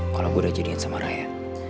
kalau gue udah jadiin sama raya